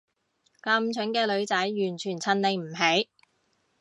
咁蠢嘅女仔完全襯你唔起